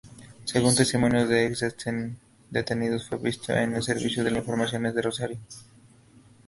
Según testimonios de ex detenidos, fue visto en el Servicio de Informaciones de Rosario.